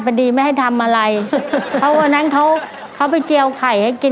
พอดีไม่ให้ทำอะไรเพราะวันนั้นเขาเขาไปเจียวไข่ให้กิน